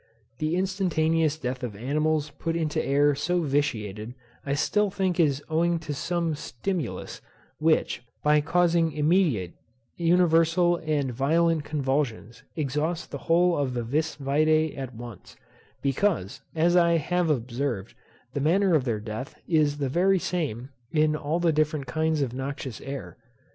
The instantaneous death of animals put into air so vitiated, I still think is owing to some stimulus, which, by causing immediate, universal and violent convulsions, exhausts the whole of the vis vitæ at once; because, as I have observed, the manner of their death is the very same in all the different kinds of noxious air.